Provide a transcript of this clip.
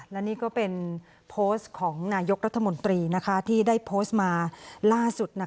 และนี่ก็เป็นโพสต์ของนายกรัฐมนตรีที่ได้โพสต์มาล่าสุด